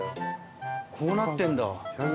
こうなってんだ。